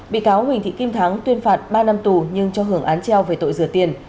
bị cáo huỳnh thị kim thắng tuyên phạt ba năm tù nhưng cho hưởng án treo về tội rửa tiền